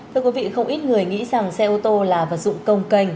thưa quý vị không ít người nghĩ rằng xe ô tô là vật dụng công kênh